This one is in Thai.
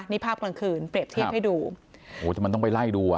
นี่ภาพกลางคืนเปรียบเทียบให้ดูโอ้โหแต่มันต้องไปไล่ดูอ่ะ